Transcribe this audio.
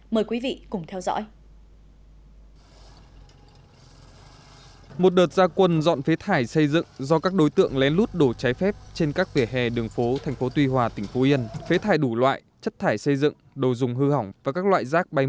mời quý vị cùng theo dõi